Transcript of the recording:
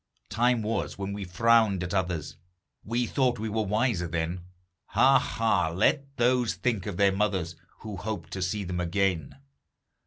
Time was when we frowned at others; We thought we were wiser then; Ha! ha! let those think of their mothers, Who hope to see them again.